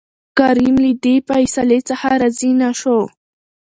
کريم له دې فيصلې څخه راضي نه شو.